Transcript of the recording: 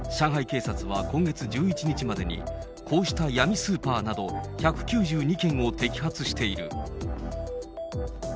警察は今月１１日までに、こうした闇スーパーなど、１９２件を摘発している。